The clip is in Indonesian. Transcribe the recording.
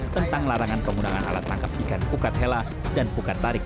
tentang larangan penggunaan alat tangkap ikan pukat hela dan pukat tarik